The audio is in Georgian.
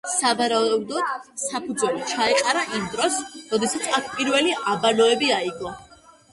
სავარაუდოდ საფუძველი ჩაეყარა იმ დროს, როდესაც აქ პირველი აბანოები აიგო.